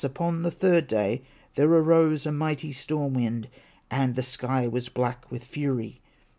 upon the third day, There arose a mighty storm wind, And the sky was black with fury.